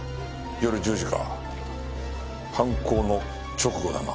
夜１０時か犯行の直後だな。